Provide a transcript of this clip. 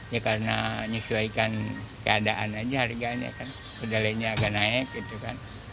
ya karena menyesuaikan keadaan aja harganya kan kedelainya agak naik gitu kan